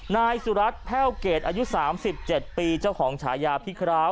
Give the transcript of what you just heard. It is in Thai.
นายสุรัจแพ่วเกตอายุ๓๗ปีเจ้าของฉายาพี่ค้าว๒๐๑๘